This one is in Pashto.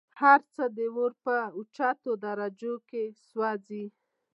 هرڅه د اور په اوچتو درجو كي سوزي